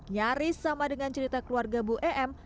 nyaris sama dengan cerita keluarga bu em